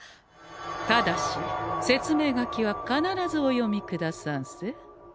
ただし説明書きは必ずお読みくださんせ。